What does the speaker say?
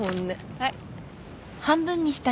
はい。